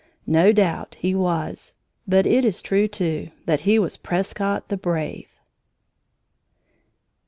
No doubt he was, but it is true, too, that he was Prescott, the Brave!